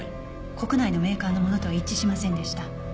国内のメーカーのものとは一致しませんでした。